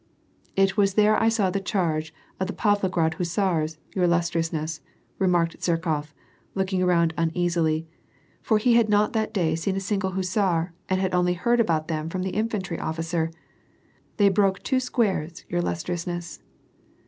" It was there I saw the charge of the Pavlograd hussars, your illustriousness," remarked Zherkof, looking around uneas ily, for he had not that day seen a single hussar, and hiidonly heard about them from an infantry officer !" They broke two squares, your illustriousness.''